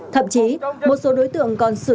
thậm chí một số đối tượng còn sử dụng